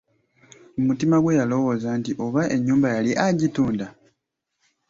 Mu mutima gwe yalowooza nti oba ennyumba yali agitunda!